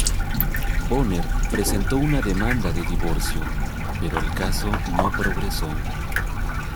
Bonner presentó una demanda de divorcio, pero el caso no progresó.